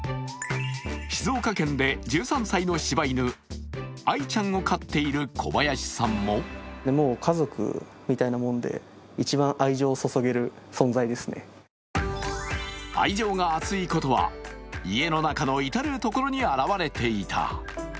静岡県で１３歳の柴犬、あいちゃんを飼っている小林さんも愛情が厚いことは家の中の至るところに現れていた。